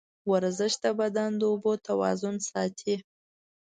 ورزش د بدن د اوبو توازن ساتي.